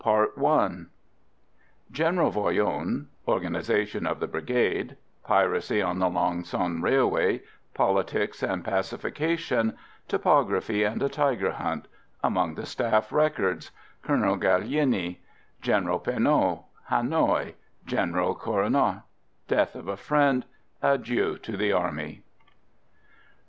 CHAPTER VIII General Voyron Organisation of the Brigade Piracy on the Lang son railway Politics and pacification Topography and a tiger hunt Among the Staff records Colonel Gallieni General Pernot Hanoï General Coronnat Death of a friend Adieu to the army.